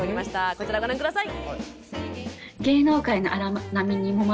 こちらご覧下さい。